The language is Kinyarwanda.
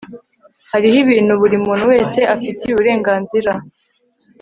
hariho ibintu buri muntu wese afitiye uburenganzira